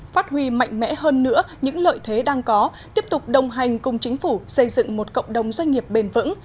phát huy mạnh mẽ hơn nữa những lợi thế đang có tiếp tục đồng hành cùng chính phủ xây dựng một cộng đồng doanh nghiệp bền vững